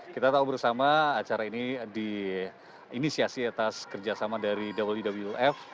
kita tahu bersama acara ini di inisiasi atas kerjasama dari wwf